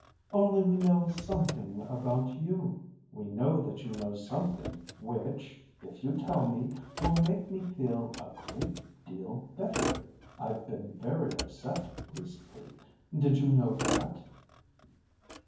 "Only we know something about you. We know that you know something which if you tell me, will make me feel a great deal better. I've been very upset, recently. Did you know that?"